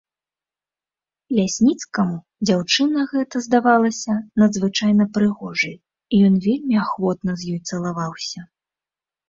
Лясніцкаму дзяўчына гэта здалася надзвычайна прыгожай, і ён вельмі ахвотна з ёй цалаваўся.